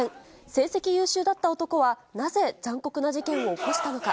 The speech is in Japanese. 成績優秀だった男はなぜ残酷な事件を起こしたのか。